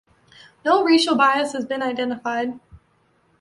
No racial bias has been identified.